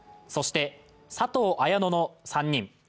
そして佐藤綾乃の３人。